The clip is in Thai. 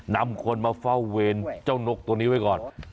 นำคนมาเฝ้าเวรเจ้านกตัวนี้ไว้ก่อน